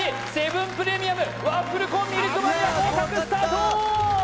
７プレミアムワッフルコーンミルクバニラ合格スタート！